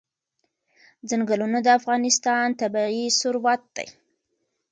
ځنګلونه د افغانستان طبعي ثروت دی.